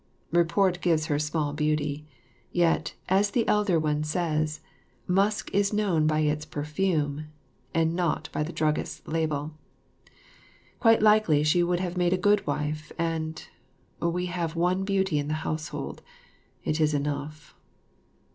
Report gives her small beauty. Yet, as the Elder One says, "Musk is known by its perfume, and not by the druggist's label." Quite likely she would have made a good wife; and we have one beauty in the household it is enough.